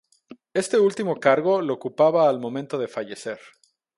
Este último cargo lo ocupaba al momento de fallecer.